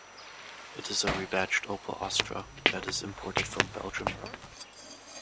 It is a rebadged Opel Astra that is imported from Belgium.